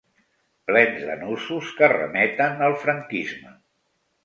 Plens de nusos que remeten al franquisme.